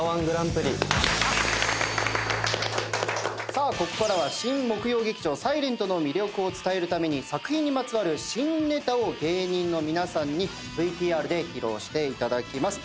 さあここからは新木曜劇場『ｓｉｌｅｎｔ』の魅力を伝えるために作品にまつわる新ネタを芸人の皆さんにＶＴＲで披露していただきます。